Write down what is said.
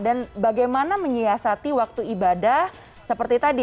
bagaimana menyiasati waktu ibadah seperti tadi